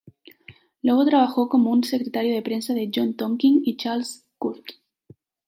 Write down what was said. Luego trabajó como un secretario de prensa de John Tonkin y Charles Court.